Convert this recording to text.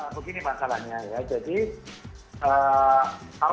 begini masalahnya ya